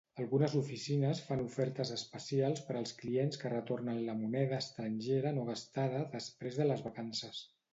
Algunes oficines fan ofertes especials per als clients que retornen la moneda estrangera no gastada després de les vacances.